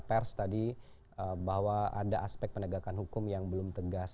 apa yang tadi disampaikan oleh direktur lbh pers tadi bahwa ada aspek penegakan hukum yang belum tegas